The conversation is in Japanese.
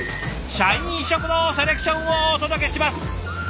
「社員食堂セレクション」をお届けします。